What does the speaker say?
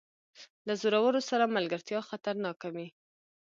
له زورور سره ملګرتیا خطرناکه وي.